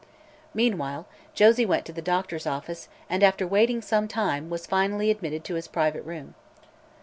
Meanwhile Josie went to the doctor's office and after waiting some time, was finally admitted to his private room.